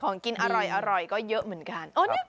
ของกินอร่อยก็เยอะเหมือนกัน